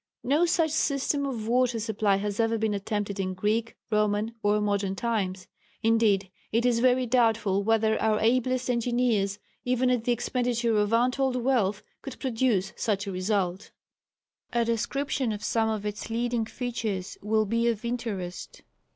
No such system of water supply has ever been attempted in Greek, Roman or modern times indeed it is very doubtful whether our ablest engineers, even at the expenditure of untold wealth, could produce such a result. A description of some of its leading features will be of interest.